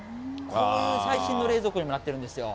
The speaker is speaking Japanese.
こういう最新の冷蔵庫になってるんですよ。